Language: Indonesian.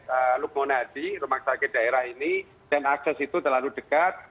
rumah sakit lukmonadi rumah sakit daerah ini dan akses itu terlalu dekat